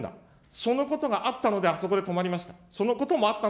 そのこともあったので止まりました。